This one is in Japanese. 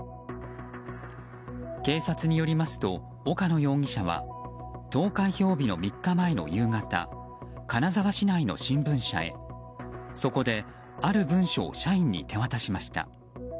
警察によりますと岡野容疑者は投開票日の３日前の夕方金沢市内の新聞社へそこで、ある文書を社員に手渡しました。